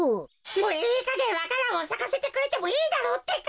もういいかげんわか蘭をさかせてくれてもいいだろうってか。